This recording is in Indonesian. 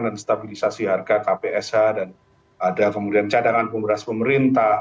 dan stabilisasi harga kpsh dan ada kemudian cadangan pemberas pemerintah